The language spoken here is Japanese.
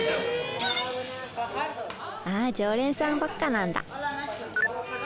あ常連さんばっかなんだ。